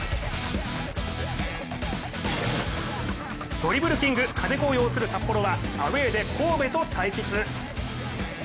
ドリブルキング・金子を擁する札幌はアウェーで神戸と対決。